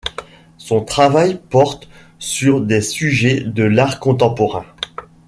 Son travail porte sur des sujets de l'art contemporain.